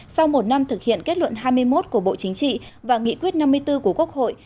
sau một năm thực hiện kết luận hai mươi một của bộ chính trị và nghị quyết năm mươi bốn của quốc hội